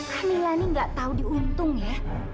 kamila ini gak tau diuntung ya